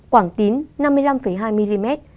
quảng tín năm mươi năm hai mm